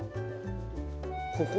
ここ？